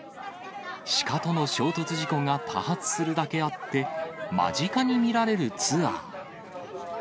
シカとの衝突事故が多発するだけあって、間近に見られるツアー。